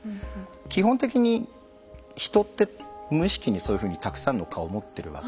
基本的に人って無意識にそういうふうにたくさんの顔を持ってるわけじゃないですか。